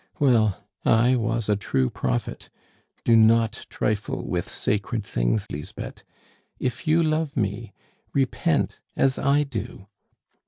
Well, I was a true prophet. Do not trifle with sacred things, Lisbeth; if you love me, repent as I do."